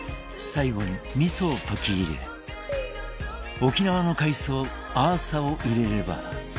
最後に、みそを溶き入れ沖縄の海藻アーサを入れれば。